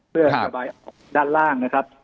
เพื่อระบายออกด้านล่างนะครับ